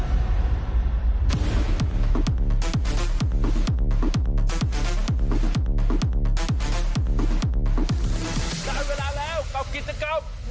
ได้เวลาแล้วกับกิจกรรม